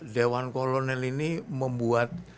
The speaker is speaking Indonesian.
dewan kolonel ini membuat